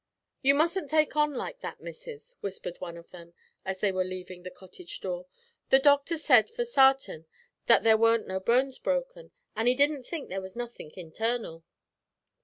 "You mustn't take on like that, Missis," whispered one of them as they were leaving the cottage door; "the doctor said for sartin that there warn't no bones broken, and 'e didn't think there was nothink internal."